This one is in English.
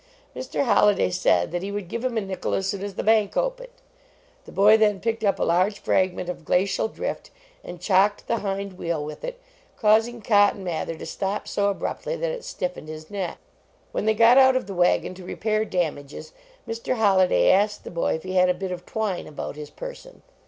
Mr. Holliday said that he would give him a nickel as soon as the bank opened. The boy then picked up a large fragment of glacial drift and " chocked " the hind wheel with it, causing Cotton Mather to stop so abruptly that it stiffened his neck. When they got out of the wagon to repair damages, Mr. Holliday asked the boy if he had a bit of twine about his person.